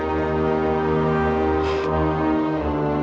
ibu kamu ingin tahu sahabat organisasi lu